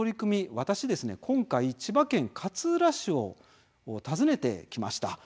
私、今回千葉県勝浦市を訪ねてきました。